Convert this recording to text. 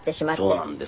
そうなんです。